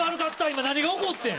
今何が起こってん？